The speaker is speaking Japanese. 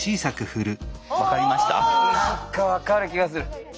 何か分かる気がする。